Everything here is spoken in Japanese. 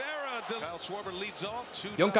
４回。